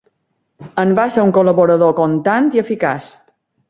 En va ser un col·laborador contant i eficaç.